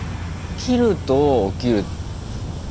切ると起きる。